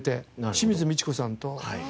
清水ミチコさんと。